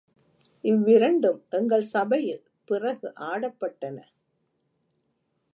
இவ்விரண்டும் எங்கள் சபையில் பிறகு ஆடப்பட்டன.